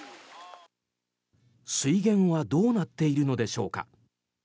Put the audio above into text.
水源はどうなっているのでしょうか。